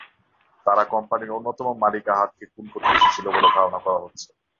তারা কোম্পানির অন্যতম মালিক আহাদকে খুন করতে এসেছিল বলে ধারণা করা হচ্ছে।